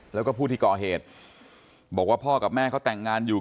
แล้วก็ผู้ที่ก่อเหตุบอกว่าพ่อกับแม่เขาแต่งงานอยู่